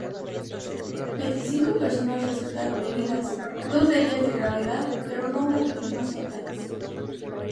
Veinticinco personas resultaron heridas, dos de ellas de gravedad, pero no hubo víctimas fatales.